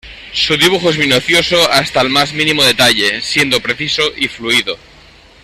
Su dibujo es minucioso hasta el más mínimo detalle siendo preciso y fluido.